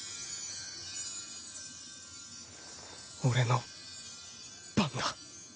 俺の番だ